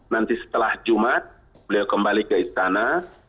nanti setelah jumat beliau kembali ke istana